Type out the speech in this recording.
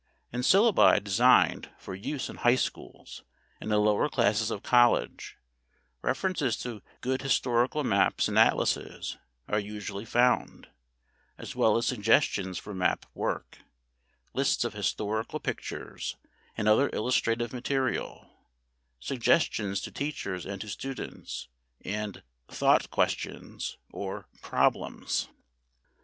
In syllabi designed for use in high schools and the lower classes of college, references to good historical maps and atlases are usually found, as well as suggestions for map work, lists of historical pictures and other illustrative material, suggestions to teachers and to students, and "thought questions" or "problems."